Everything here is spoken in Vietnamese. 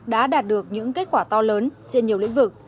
đã đạt được những kết quả to lớn trên nhiều lĩnh vực